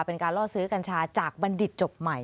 เป็นการล่อซื้อกัญชาจากบัณฑิตจบใหม่